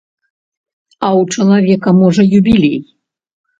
А ў чалавека, можа, юбілей!